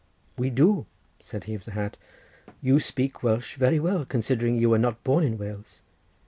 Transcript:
"We do," said he of the hat. "You speak Welsh very well, considering you were not born in Wales.